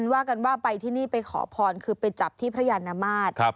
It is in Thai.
ว่ากันว่าไปที่นี่ไปขอพรคือไปจับที่พระยานมาตร